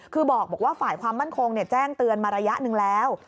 คือบอกว่าฝ่ายความมั่นคงแจ้งเตือนมาระยะหนึ่งแล้ว